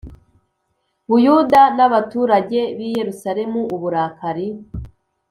Buyuda n abaturage b i Yerusalemu uburakari